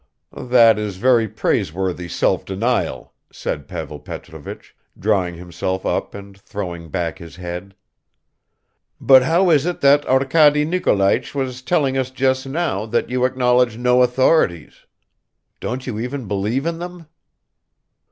"That is very praiseworthy self denial," said Pavel Petrovich, drawing himself up and throwing back his head. "But how is it that Arkady Nikolaich was telling us just now that you acknowledge no authorities? Don't you even believe in them?"